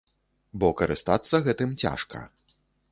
Бо карыстацца гэтым цяжка.